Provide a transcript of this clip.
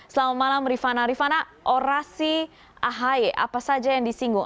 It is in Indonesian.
selamat malam rifana rifana orasi ahy apa saja yang disinggung